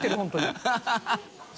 ハハハ